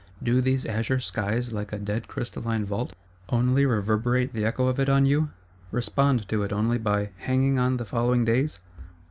Do these azure skies, like a dead crystalline vault, only reverberate the echo of it on you? Respond to it only by "hanging on the following days?"